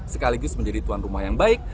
sekaligus menjadi tuan rumah yang baik